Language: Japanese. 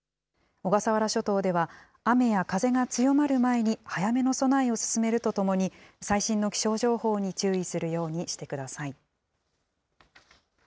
小笠原諸島では雨や風が強まる前に早めの備えを進めるとともに、最新の気象情報に注意するようにしてください。